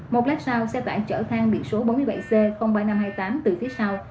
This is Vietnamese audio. một lít sau xe tải chở thang biển số bốn mươi bảy c ba nghìn năm trăm hai mươi tám từ phía sau